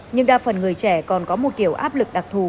nhưng đa phần người trẻ còn có một kiểu áp lực đặc thù